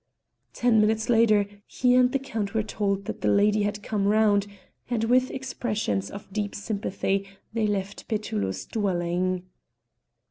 Ten minutes later he and the Count were told the lady had come round, and with expressions of deep sympathy they left Petullo's dwelling.